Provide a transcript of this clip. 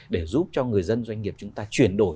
để giúp cho người dân doanh nghiệp chúng ta chuyển đổi